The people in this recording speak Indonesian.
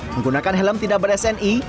menggunakan helm tidak ber sni